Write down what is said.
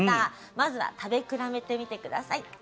まずは食べ比べてみて下さい。